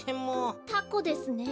タコですね。